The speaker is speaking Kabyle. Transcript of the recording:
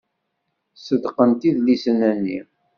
Ṣeddqent idlisen-nni.